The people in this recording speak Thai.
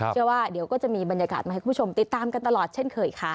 เชื่อว่าเดี๋ยวก็จะมีบรรยากาศมาให้คุณผู้ชมติดตามกันตลอดเช่นเคยค่ะ